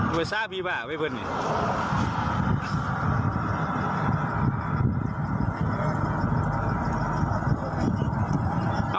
เว้ยส้าพี่บ้าเว้ยพ่นนี่